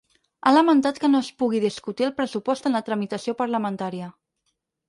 Ha lamentat que no es pugui discutir el pressupost en la tramitació parlamentària.